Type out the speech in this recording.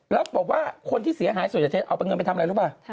แล้วบอกว่าคนที่เสียหายส่วนใหญ่จะเอาเป็นเงินไปทำอะไรรู้ป่ะ